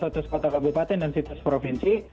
di situs kota kabupaten dan situs provinsi